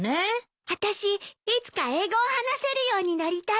あたしいつか英語を話せるようになりたいの。